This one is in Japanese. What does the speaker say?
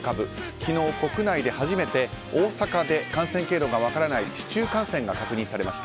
昨日、国内で初めて大阪で感染経路が分からない市中感染が確認されました。